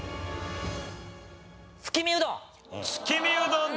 月見うどん